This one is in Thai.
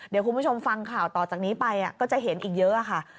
เดี๋ยวคุณผู้ชมฟังข่าวต่อจากนี้ไปก็จะเห็นอีกเยอะค่ะ